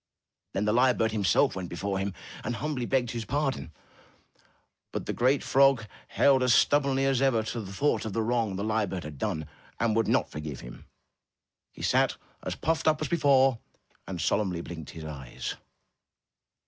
Then the lyre bird himself went before him and humbly begged his pardon. But the frog held as stubbornly as ever to the thought of the wrong the lyre bird had done, and would not forgive him. He sat as puffed up as be fore, and solemnly blinked his eyes.